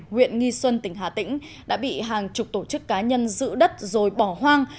huyện nghi xuân tỉnh hà tĩnh đã bị hàng chục tổ chức cá nhân giữ đất rồi bỏ hoang